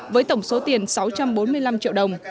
với tổng số tiền sáu trăm bốn mươi năm triệu đồng